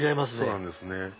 そうなんですね。